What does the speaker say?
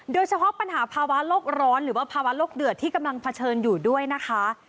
โดยเฉพาะปัญหาภาวะโลกร้อนหรือว่าภาวะโลกเดือดที่กำลังเผชิญอยู่ด้วยนะคะ